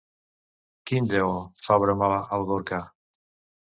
Quin lleó? —fa broma el Gorka.